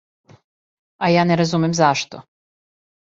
А ја не разумем зашто.